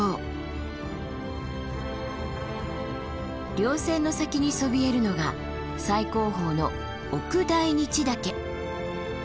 稜線の先にそびえるのが最高峰の奥大日岳。